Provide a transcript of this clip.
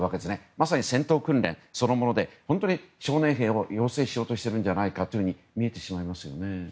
まさに戦闘訓練そのもので本当に少年兵を養成しようとしているように見えてしまいますよね。